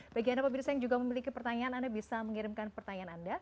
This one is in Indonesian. bagi anda pemirsa yang juga memiliki pertanyaan anda bisa mengirimkan pertanyaan anda